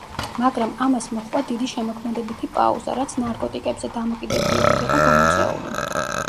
მაგრამ ამას მოჰყვა დიდი შემოქმედებითი პაუზა, რაც ნარკოტიკებზე დამოკიდებულებით იყო გამოწვეული.